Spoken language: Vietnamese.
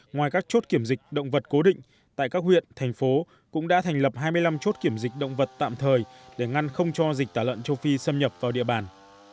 ngoài các chốt kiểm dịch động vật cố định tại các huyện thành phố cũng đã thành lập hai mươi năm chốt kiểm dịch động vật tạm thời để ngăn không cho dịch tả lợn châu phi xâm nhập vào địa bàn